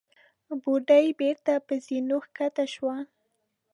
بوډۍ بېرته پر زينو کښته شوه.